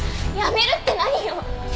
やめるって何よ！